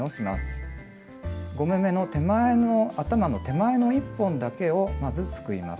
５目めの頭の手前の１本だけをまずすくいます。